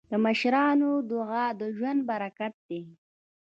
د مشرانو دعا د ژوند برکت دی.